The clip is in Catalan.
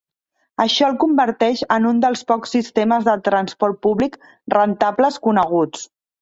Això el converteix en un dels pocs sistemes de transport públic rentables coneguts.